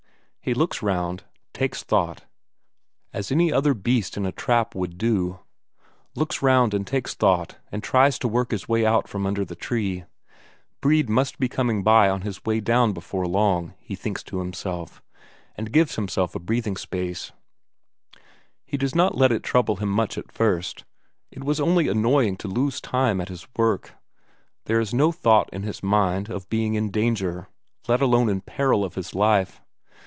He looks round, takes thought, as any other beast in a trap would do; looks round and takes thought and tries to work his way out from under the tree. Brede must be coming by on his way down before long, he thinks to himself, and gives himself a breathing space. He does not let it trouble him much at first, it was only annoying to lose time at his work; there is no thought in his mind of being in danger, let alone in peril of his life.